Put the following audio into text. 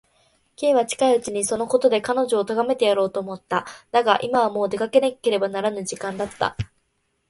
Ｋ は近いうちにそのことで彼女をとがめてやろうと思った。だが、今はもう出かけていかねばならぬ時間だった。